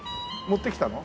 持ってきたの？